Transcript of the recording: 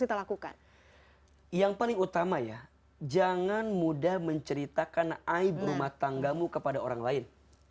kita lakukan yang paling utama ya jangan mudah menceritakan aib rumah tanggamu kepada orang lain